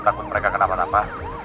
takut mereka kenapa napa